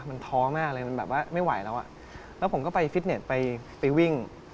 มันท้อมากเลยมันแบบว่าไม่ไหวแล้วอ่ะแล้วผมก็ไปฟิตเน็ตไปวิ่ง